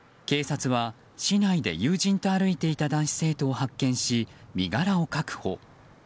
警察は市内で友人と歩いていた男子生徒を発見し身柄を確保。